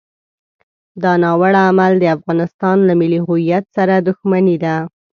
دا ناوړه عمل د افغانستان له ملي هویت سره دښمني ده.